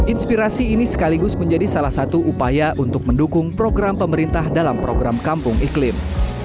inspirasi ini sekaligus menjadi salah satu upaya untuk mendukung program pemerintah dalam program kampung iklim